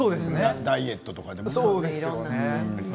ダイエットとかもそうですよね。